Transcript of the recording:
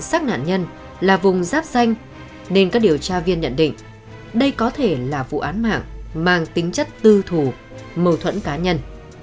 xác nạn nhân là vùng giáp danh nên các điều tra viên nhận định đây có thể là vụ án mạng mang tính chất tư thủ mâu thuẫn cá nhân